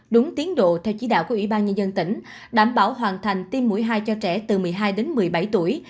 đúng tiến độ theo chỉ đạo của ủy ban nhân dân tỉnh đảm bảo hoàn thành tiêm mũi hai cho trẻ từ một mươi hai đến một mươi bảy tuổi